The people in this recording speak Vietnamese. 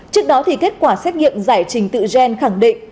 trước đó thì kết quả xét nghiệm giải trình tự gen khẳng định